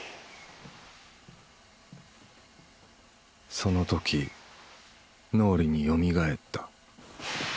その時脳裏によみがえった。